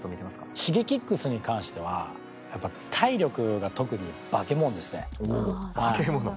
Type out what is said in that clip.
Ｓｈｉｇｅｋｉｘに関してはやっぱ体力が特に化け物ですね。